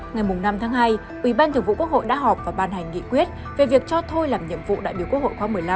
ngày năm tháng hai ủy ban thường vụ quốc hội đã họp và ban hành nghị quyết về việc cho thôi làm nhiệm vụ đại biểu quốc hội khóa một mươi năm